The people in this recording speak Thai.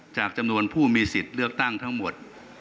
จำนวนผู้มีสิทธิ์เลือกตั้งทั้งหมด